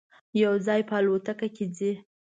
یو ځای به الوتکه کې ځی.